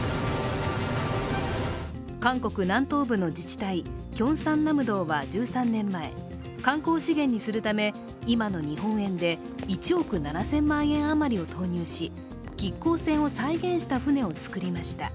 韓国南東部の自治体、キョンサンナムドは１３年前観光資源にするため、今の日本円で１億７０００万円余りを投入し、亀甲船を再現した船を造りました。